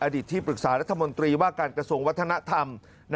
ที่ปรึกษารัฐมนตรีว่าการกระทรวงวัฒนธรรม